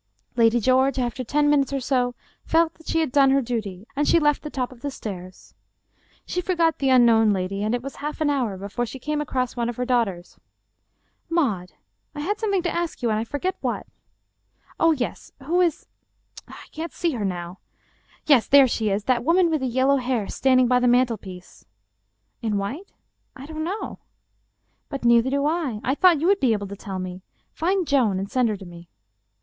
Lady George after ten minutes or so felt that she had done her duty and she left the top of the stairs. She forgot the unknown lady, and it was half an hour before she came across one of her daughters. " Maud, I had something to ask you and I forget what. Oh, yes. Who is — I can't see her now — yes, there she is — ^that woman with the yellow hair standing by the mantel piece." " In white?— I don't know." " But neither do I. I thought you would be able to tell me. Find Joan and send her to me."